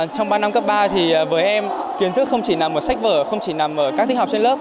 trong ba năm cấp ba thì với em kiến thức không chỉ nằm ở sách vở không chỉ nằm ở các thiết học trên lớp